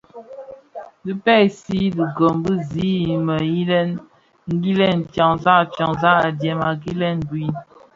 Dhi pezi dhigōn bi zi mě yilè yilen tyanzak tyañzak a djee a kilèn, bhui,